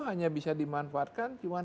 hanya bisa dimanfaatkan cuma